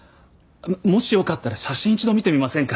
もしよかったら写真一度見てみませんか？